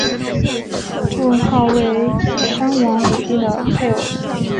妇好为商王武丁的配偶。